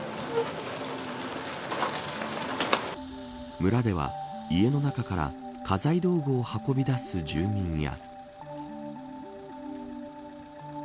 村では家の中から家財道具を運び出す住民や。